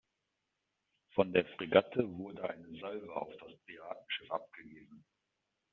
Von der Fregatte wurde eine Salve auf das Piratenschiff abgegeben.